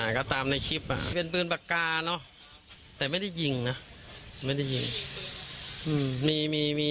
ก็ตามในคลิปเป็นปืนปากกาเนาะแต่ไม่ได้ยิงเนาะ